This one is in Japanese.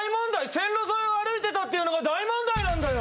線路沿いを歩いてたっていうのが大問題なんだよ。